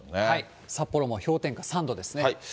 札幌も氷点下３度ですね。